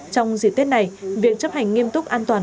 trong dịp tết này việc chấp hành nghiêm túc an toàn